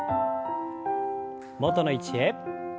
元の位置へ。